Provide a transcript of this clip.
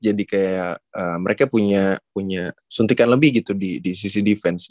jadi kayak mereka punya suntikan lebih gitu di sisi defense